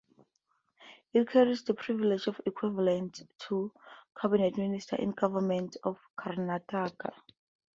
It carries the privileges equivalent to Cabinet Minister in Government of Karnataka.